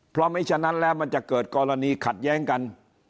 เพราะไม่ฉะนั้นแล้วมันจะเกิดกรณีขัดแย้งกัน